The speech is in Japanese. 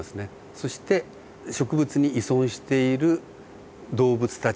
そして植物に依存している動物たち